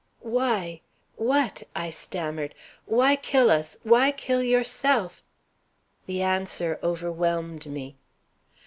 "Why what?" I stammered. "Why kill us, why kill yourself " The answer overwhelmed me.